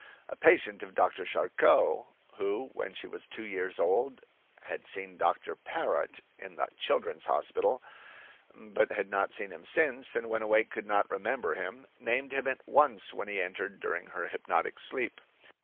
A patient of Dr. Charcot, who when she was two years old had seen Dr. Parrot in the children's hospital, but had not seen him since, and when awake could not remember him, named him at once when he entered during her hypnotic sleep.